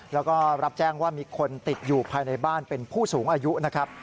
แล้วก็รับแจ้งว่ามีคนติดอยู่ภายในบ้านเป็นผู้สูงอายุนะครับ